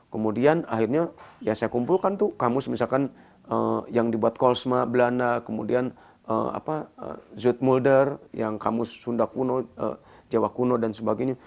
kemudian akhirnya ya saya kumpulkan tuh kamus misalkan yang dibuat kolsma belanda kemudian zuitmulder yang kamus sunda kuno jawa kuno dan sebagainya